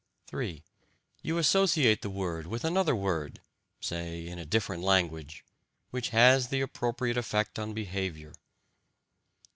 (3) You associate the word with another word (say in a different language) which has the appropriate effect on behaviour.